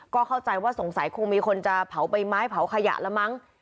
ก็เข้าใจว่าสงสัยคงมีคนจะเผาใบไม้เผาขยะแล้วมั้ง